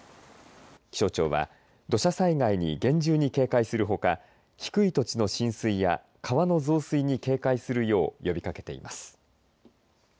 気象庁は土砂災害に厳重に警戒するほか低い土地の浸水や川の増水に警戒するよう呼びかけています。